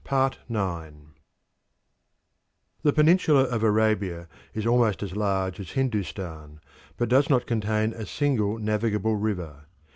Arabia The peninsula of Arabia is almost as large as Hindustan, but does not contain a single navigable river.